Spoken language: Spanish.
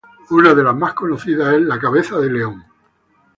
Una de las más conocidas es la Cabeza de león.